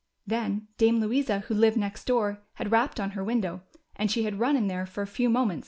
Then Dame Louisa Avho lived next door had rapped on her window, and she had run in there for a few moment?